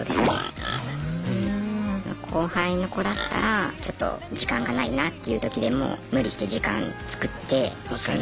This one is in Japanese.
後輩の子だったらちょっと時間がないなっていうときでも無理して時間作って分かるよ。